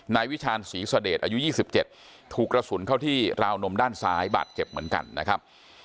วิชาณศรีเสด็จอายุ๒๗ถูกกระสุนเข้าที่ราวนมด้านซ้ายบาดเจ็บเหมือนกันนะครับ